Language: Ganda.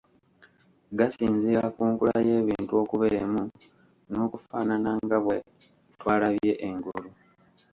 Gasinziira ku nkula y'ebintu okuba emu n'okufaanana nga bwe twalabye engulu.